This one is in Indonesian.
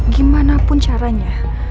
gimana pun caranya